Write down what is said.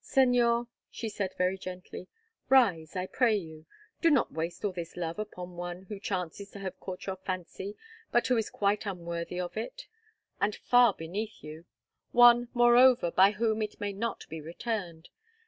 "Señor," she said very gently, "rise, I pray you. Do not waste all this love upon one who chances to have caught your fancy, but who is quite unworthy of it, and far beneath you; one, moreover, by whom it may not be returned.